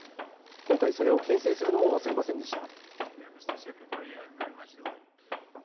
今回、それをけん制するのも忘れませんでした。